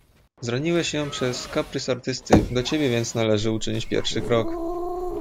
"Zraniłeś ją przez kaprys artysty, do ciebie więc należy uczynić pierwszy krok."